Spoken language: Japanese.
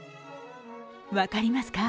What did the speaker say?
分かりますか？